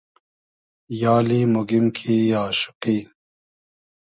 یالی موگیم کی آشوقی